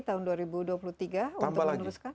tahun dua ribu dua puluh tiga tambah lagi